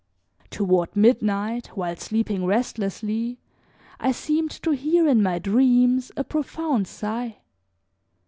Toward midnight, while sleeping restlessly, I seemed to hear in my dreams a profound sigh.